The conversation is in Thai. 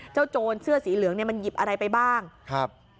โจรเสื้อสีเหลืองเนี่ยมันหยิบอะไรไปบ้างครับ